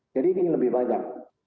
jadi ini lebih banyak